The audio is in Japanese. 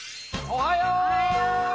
おはよう！